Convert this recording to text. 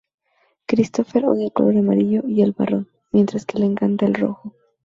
Christopher odia el color amarillo y el marrón, mientras que le encanta el rojo.